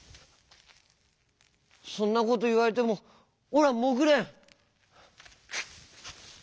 「そんなこといわれてもおらもぐれん」。